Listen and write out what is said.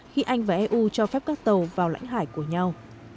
khi anh và eu cho phép các tàu vào lãnh hải của nhau